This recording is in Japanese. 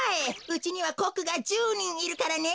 うちにはコックが１０にんいるからね。